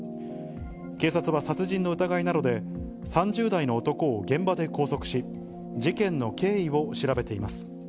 警察は殺人の疑いなどで、３０代の男を現場で拘束し、事件の経緯を調べています。